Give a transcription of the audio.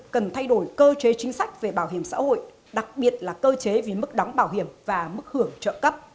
cần thay đổi cơ chế chính sách về bảo hiểm xã hội đặc biệt là cơ chế về mức đóng bảo hiểm và mức hưởng trợ cấp